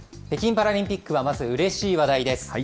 北京パラリンピックは、まずうれしい話題です。